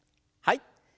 はい。